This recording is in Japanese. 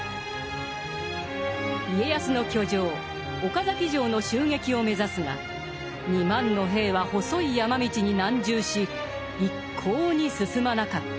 家康の居城・岡崎城の襲撃を目指すが２万の兵は細い山道に難渋し一向に進まなかった。